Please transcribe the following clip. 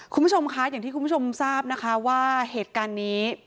คุณผู้ชมคะอย่างที่คุณผู้ชมทราบนะคะว่าเหตุการณ์นี้